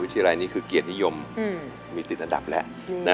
วันเดือนที่แล้วได้๔จุดถึงสูงค่ะ